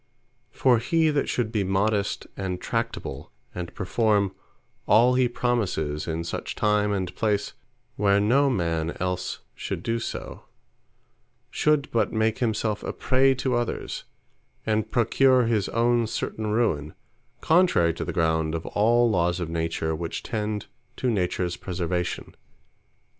For he that should be modest, and tractable, and performe all he promises, in such time, and place, where no man els should do so, should but make himselfe a prey to others, and procure his own certain ruine, contrary to the ground of all Lawes of Nature, which tend to Natures preservation.